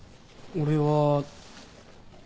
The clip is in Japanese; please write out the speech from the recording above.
俺は。